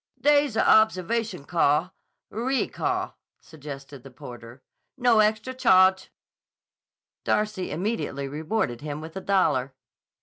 "Dey's a obsehvation cah, reah cah," suggested the porter. "No extra chahge." Darcy immediately rewarded him with a dollar.